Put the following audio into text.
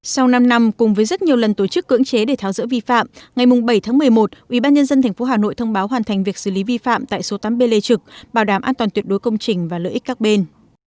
sau năm năm cùng với rất nhiều lần tổ chức cưỡng chế để tháo dỡ vi phạm ngày bảy tháng một mươi một ubnd tp hà nội thông báo hoàn thành việc xử lý vi phạm tại số tám b lê trực bảo đảm an toàn tuyệt đối công trình và lợi ích các bên